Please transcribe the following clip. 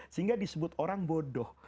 sehingga disebut orang bodoh